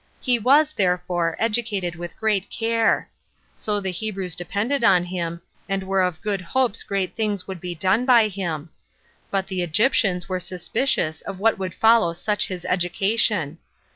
He was, therefore, educated with great care. So the Hebrews depended on him, and were of good hopes great things would be done by him; but the Egyptians were suspicious of what would follow such his education.